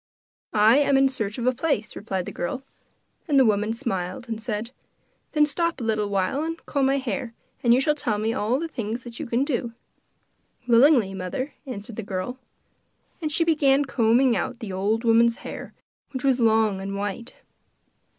'I am in search of a place,' replied the girl; and the woman smiled and said: 'Then stop a little while and comb my hair, and you shall tell me all the things you can do.' 'Willingly, mother,' answered the girl. And she began combing out the old woman's hair, which was long and white.